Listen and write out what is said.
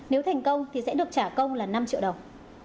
nếu thành công thì sẽ được trả công là năm triệu đồng